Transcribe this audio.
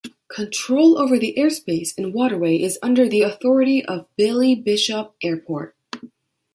Control over the airspace and waterway is under the authority of Billy Bishop Airport.